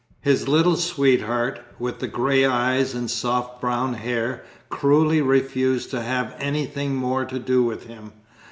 His little sweetheart, with the grey eyes and soft brown hair, cruelly refused to have anything more to do with him.